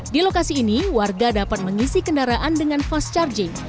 di lokasi ini warga dapat mengisi kendaraan dengan fast charging